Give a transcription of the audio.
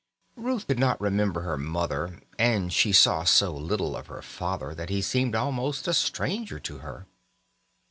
Ruth could not remember her mother, and she saw so little of her father that he seemed almost a stranger to her.